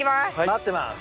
待ってます。